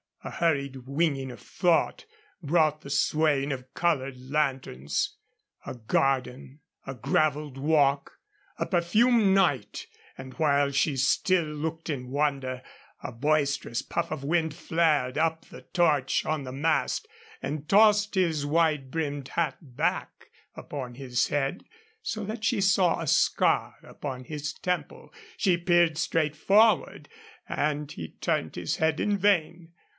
A hurried winging of thought brought the swaying of colored lanterns a garden a graveled walk a perfumed night; and while she still looked in wonder, a boisterous puff of wind flared up the torch on the mast and tossed his wide brimmed hat back upon his head so that she saw a scar upon his temple. She peered straight forward and he turned his head in vain.